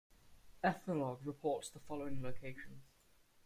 "Ethnologue" reports the following locations.